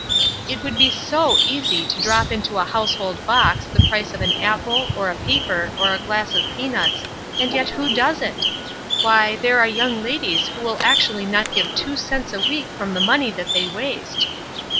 "It would be so easy to drop into a household box the price of an apple, or a paper, or a glass of peanuts, and yet who does it? Why, there are young ladies who will actually not give two cents a week from the money that they waste!"